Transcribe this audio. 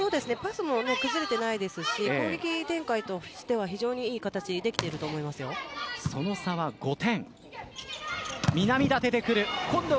崩れていないですし攻撃展開としては非常に良い形ができているとその差は５点。